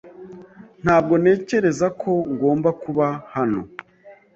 Ntabwo ntekereza ko ngomba kuba hano